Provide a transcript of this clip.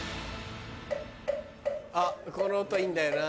あっこの音いいんだよな。